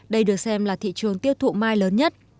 đây được xem là thị trường tiêu thụ mai lớn nhất